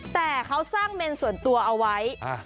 แต่เขาสร้างเมนส่วนตัวเอาไว้